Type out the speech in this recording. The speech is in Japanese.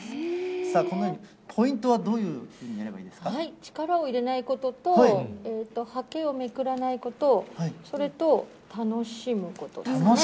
さあ、このようにポイントはどう力を入れないことと、はけをめくらないこと、それと、楽しむことですね。